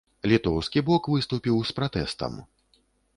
Літоўскі бок выступіў з пратэстам.